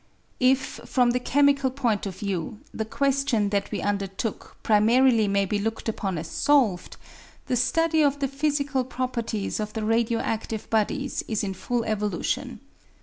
If, from the chemical point of view, the question that we undertook primarily may be looked upon as solved, the study of the physical properties of the radio adtive bodies is n full evolution.